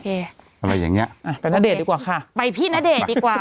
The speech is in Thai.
อะไรอย่างเงี้ยไปณเดชน์ดีกว่าค่ะไปพี่ณเดชน์ดีกว่า